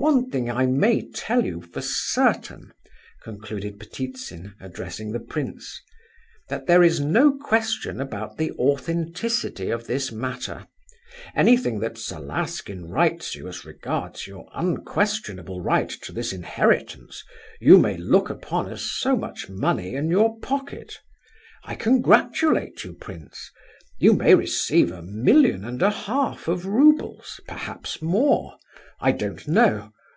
"One thing I may tell you, for certain," concluded Ptitsin, addressing the prince, "that there is no question about the authenticity of this matter. Anything that Salaskin writes you as regards your unquestionable right to this inheritance, you may look upon as so much money in your pocket. I congratulate you, prince; you may receive a million and a half of roubles, perhaps more; I don't know.